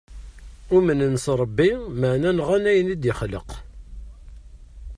Umnen s rebbi maɛna nɣan ayen id-yexleq.